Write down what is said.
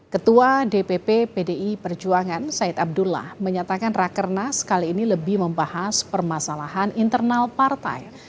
ketua dpp pdi perjuangan said abdullah menyatakan rakernas kali ini lebih membahas permasalahan internal partai